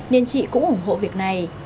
nên chị cũng ủng hộ việc này